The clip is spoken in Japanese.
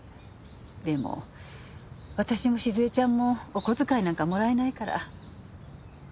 でも私も静江ちゃんもお小遣いなんかもらえないから。